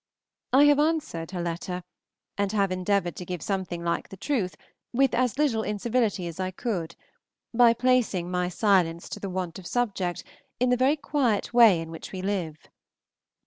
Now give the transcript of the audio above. I have answered her letter, and have endeavored to give something like the truth with as little incivility as I could, by placing my silence to the want of subject in the very quiet way in which we live.